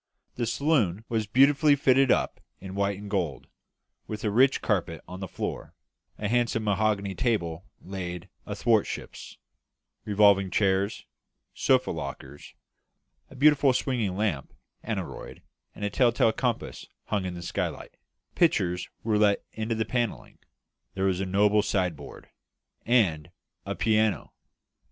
The saloon was beautifully fitted up in white and gold, with a rich carpet on the floor; a handsome mahogany table laid athwartships; revolving chairs; sofa lockers; a beautiful swinging lamp, aneroid, and tell tale compass hung in the skylight; pictures were let into the panelling; there was a noble sideboard; and a piano!